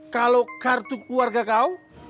kalau kartu keluarga kau